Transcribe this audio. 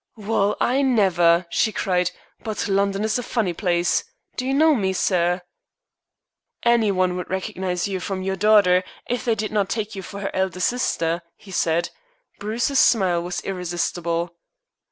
"Well, I never," she cried, "but London is a funny place. Do you know me, sir?" "Any one would recognize you from your daughter, if they did not take you for her elder sister," he said. Bruce's smile was irresistible.